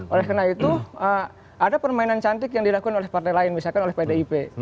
oleh karena itu ada permainan cantik yang dilakukan oleh partai lain misalkan oleh pdip